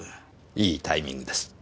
いいタイミングです。